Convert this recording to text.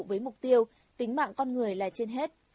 với mục tiêu tính mạng con người là trên hết